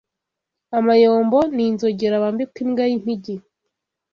Amayombo ni Inzogera bambika imbwa y’impigi